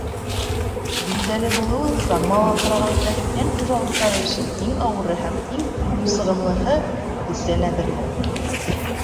Билдәле булыуынса, мал аҫраған крәҫтиән хужалыҡтары өсөн иң ауыры һәм күп сығымлыһы — бесән әҙерләү.